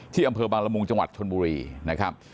อำเภอบางละมุงจังหวัดชนบุรีนะครับ